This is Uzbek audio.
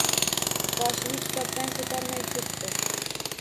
Boshini kitobdan koʻtarmay ketdi.